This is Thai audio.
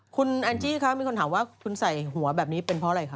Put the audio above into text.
คุณแอนจี้คะมีคนถามว่าคุณใส่หัวแบบนี้เป็นเพราะอะไรคะ